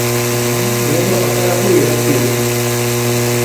Lerro bakarra du idatzian.